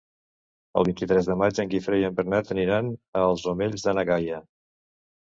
El vint-i-tres de maig en Guifré i en Bernat aniran als Omells de na Gaia.